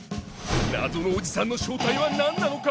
謎のおじさんの正体は何なのか！？